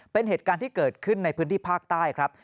เป็นเหตุการณ์ที่เกิดขึ้นในพื้นที่ภาคใต้ครับ